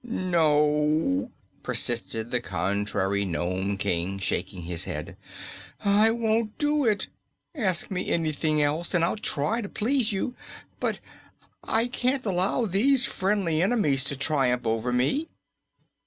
"No," persisted the contrary Nome King, shaking his head. "I won't do it. Ask me anything else and I'll try to please you, but I can't allow these friendly enemies to triumph over me.